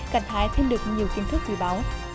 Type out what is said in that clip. cảnh thái thêm được nhiều kiến thức gửi báo